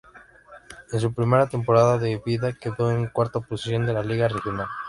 En su primera temporada de vida quedó en cuarta posición de la liga regional.